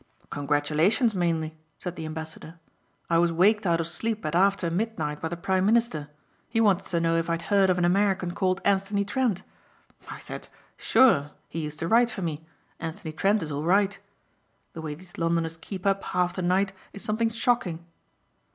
"Congratulations mainly," said the ambassador. "I was waked out of sleep at after midnight by the prime minister. He wanted to know if I had heard of an American called Anthony Trent. I said 'Sure. He used to write for me. Anthony Trent is all right.' The way these Londoners keep up half the night is something shocking."